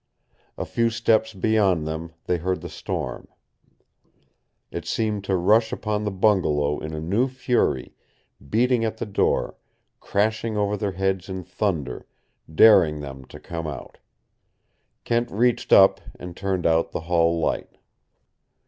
A few steps beyond them they heard the storm. It seemed to rush upon the bungalow in a new fury, beating at the door, crashing over their heads in thunder, daring them to come out. Kent reached up and turned out the hall light.